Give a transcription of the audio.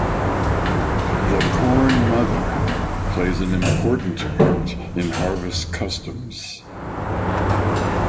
The Corn Mother plays an important part in harvest customs.